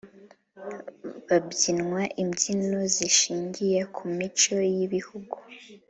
habyinwa imbyino zishingiye ku mico y’ibihugu